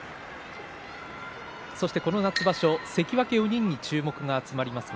そしてこの夏場所は関脇４人に注目が集まります。